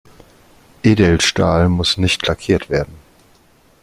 Edelstahl muss nicht lackiert werden.